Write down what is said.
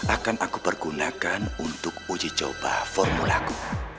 akan aku pergunakan untuk uji coba formulaku